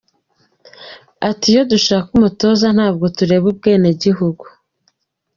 Ati “Iyo dushaka umutoza ntabwo tureba ubwenegihugu.